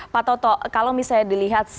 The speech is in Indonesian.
pak toto kalau misalnya dilihat